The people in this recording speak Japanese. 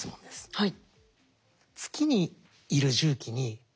はい。